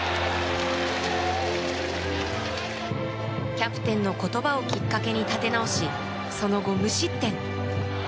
キャプテンの言葉をきっかけに立て直しその後、無失点。